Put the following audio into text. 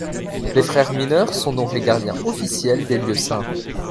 Les frères mineurs sont donc les gardiens officiels des Lieux Saints.